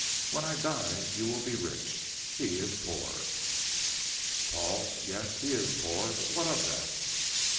When I die you will be rich. He is poor." "Paul yes, he is poor. But what of that?"